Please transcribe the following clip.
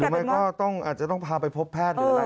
มันก็อาจจะต้องพาไปพบแพทย์หรืออะไร